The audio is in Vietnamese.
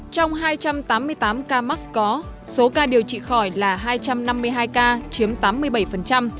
trong hai trăm tám mươi tám ca mắc có số ca điều trị khỏi là hai trăm năm mươi hai ca chiếm tám mươi bảy